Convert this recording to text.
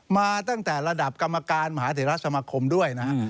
มาตั้งแต่ระดับกรรมการมหาเตรียรัฐสมคมด้วยนะครับ